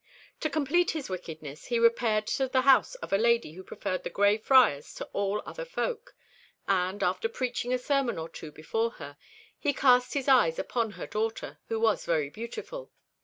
To complete his wickedness, he repaired to the house of a lady who preferred the Grey Friars to all other folk, and, after preaching a sermon or two before her, he cast his eyes upon her daughter, who was very beautiful.